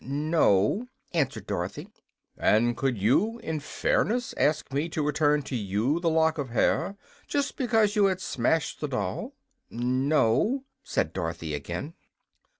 "No," answered Dorothy. "And could you, in fairness, ask me to return to you the lock of hair, just because you had smashed the doll?" "No," said Dorothy, again.